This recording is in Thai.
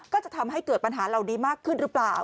ก็จะทำให้เกิดปัญหาเหล่านี้มากขึ้นหรือเปล่า